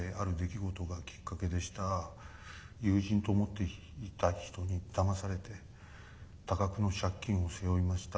友人と思っていた人にだまされて多額の借金を背負いました。